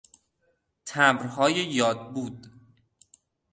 تمبرهای یاد بود